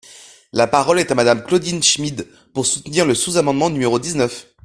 La parole est à Madame Claudine Schmid, pour soutenir le sous-amendement numéro dix-neuf.